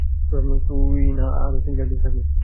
তুই না আরও তিন-চার থাকবি?